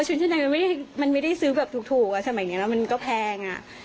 ชุดชั้นในมันไม่ได้ซื้อแบบถูกสมัยนี้แล้วมันก็แพงอ่ะ